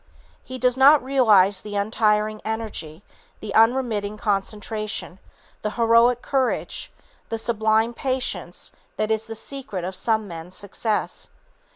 He does not realize the untiring energy, the unremitting concentration, the heroic courage, the sublime patience that is the secret of some men's success.